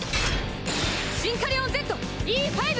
シンカリオンＺＥ５！